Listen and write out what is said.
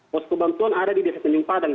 posko bantuan ada di desa tanjung padang